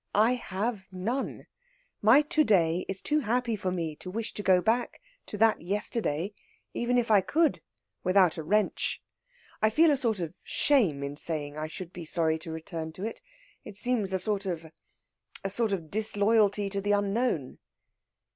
I have none. My to day is too happy for me to wish to go back to that yesterday, even if I could, without a wrench. I feel a sort of shame in saying I should be sorry to return to it. It seems a sort of ... a sort of disloyalty to the unknown."